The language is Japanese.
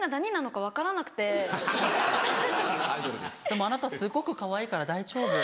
でもあなたすっごくかわいいから大丈夫。